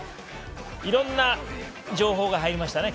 いろんな情報が入りましたね